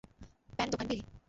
Pan দোকান বিল?